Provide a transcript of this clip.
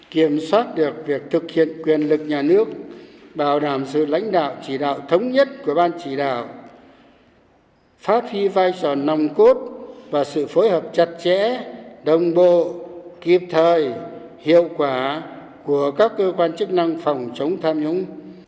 kiểm soát được việc thực hiện quyền lực nhà nước bảo đảm sự lãnh đạo chỉ đạo thống nhất của ban chỉ đạo phát huy vai trò nòng cốt và sự phối hợp chặt chẽ đồng bộ kịp thời hiệu quả của các cơ quan chức năng phòng chống tham nhũng